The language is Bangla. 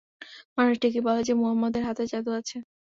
মানুষ ঠিকই বলে যে, মুহাম্মাদের হাতে জাদু আছে।